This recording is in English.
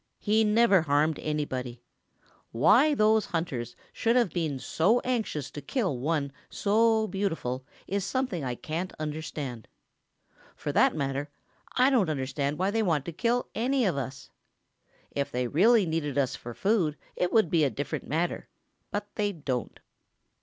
He never harmed anybody. Why those hunters should have been so anxious to kill one so beautiful is something I can't understand. For that matter, I don't understand why they want to kill any of us. If they really needed us for food, it would be a different matter, but they don't.